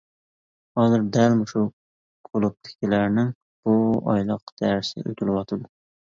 ھازىر دەل مۇشۇ كۇلۇبتىكىلەرنىڭ بۇ ئايلىق دەرسى ئۆتىلىۋاتىدۇ.